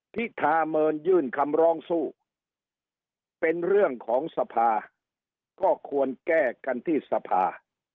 พิธาเมินยื่นคำร้องสู้เป็นเรื่องของสภาก็ควรแก้กันที่สภา